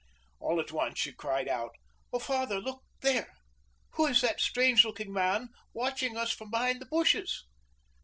All at once she cried out: "Oh, father, look there! Who is that strange looking man watching us from behind the bushes?"